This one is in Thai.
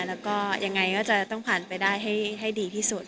แล้วก็ยังไงก็จะต้องผ่านไปได้ให้ดีที่สุด